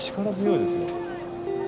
力強いですよ。